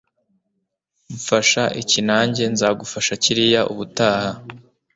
mfasha iki nange nzagufasha kiriya ubutaha